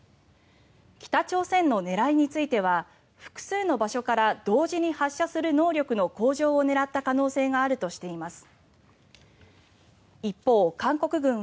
北朝鮮の狙いについては複数の場所から同時に発射する能力の向上を狙った可能性があるとしています。